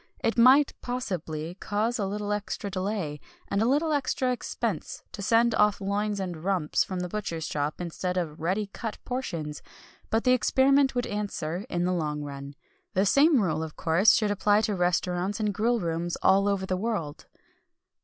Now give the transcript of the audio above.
It might, possibly, cause a little extra delay, and a little extra expense, to send off loins and rumps from the butcher's shop, instead of ready cut portions, but the experiment would answer, in the long run. The same rule, of course, should apply to restaurants and grill rooms all over the world.